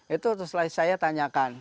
itu selesai saya tanyakan